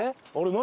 何？